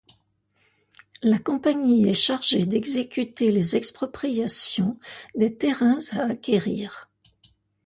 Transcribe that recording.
La compagnie est chargée d'exécuter les expropriations des terrains à acquérir.